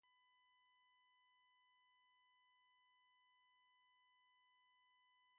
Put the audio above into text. "Well, hire a car, and —" Eden yawned.